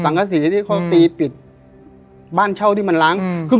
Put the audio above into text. กษีที่เขาตีปิดบ้านเช่าที่มันล้างคือ